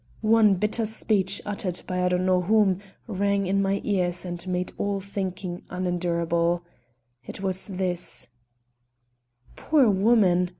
One bitter speech, uttered by I do not know whom, rang in my ears and made all thinking unendurable. It was this: "Poor woman!